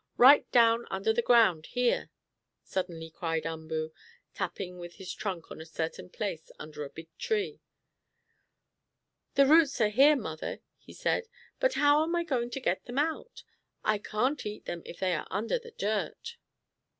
Right down under the ground, here!" suddenly cried Umboo, tapping with his trunk on a certain place under a big tree. "The roots are here, mother," he said. "But how am I going to get them out? I can't eat them if they are under the dirt!"